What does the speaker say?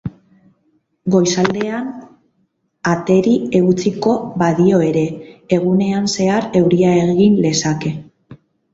Goizaldean ateri eutsiko badio ere, egunean zehar euria egin lezake.